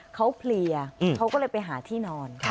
เขาเพลียเขาก็เลยไปหาที่นอน